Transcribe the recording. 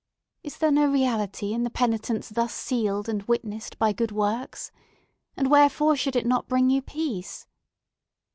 Is there no reality in the penitence thus sealed and witnessed by good works? And wherefore should it not bring you peace?"